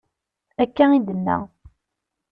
Akka i d-tenna.